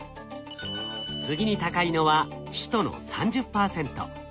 次に高いのは「首都」の３０％。